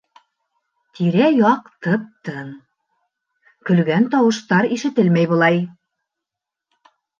Тирә-яҡ тып-тын, көлгән тауыштар ишетелмәй былай.